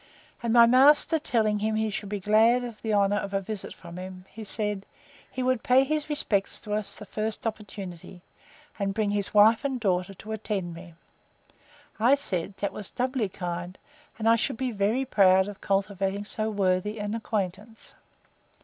And my master telling him he should be glad of the honour of a visit from him; he said, He would pay his respects to us the first opportunity, and bring his wife and daughter to attend me. I said, That was doubly kind; and I should be very proud of cultivating so worthy an acquaintance.